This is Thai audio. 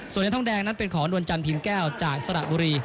ส่วนเหรียญทองแดงนั้นเป็นของนวลจันทิมแก้วจากสระบุรี